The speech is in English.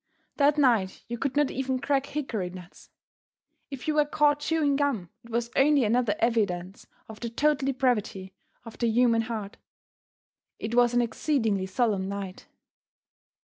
That night you could not even crack hickory nuts. If you were caught chewing gum it was only another evidence of the total depravity of the human heart. It was an exceedingly solemn night.